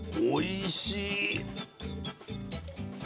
おいしい！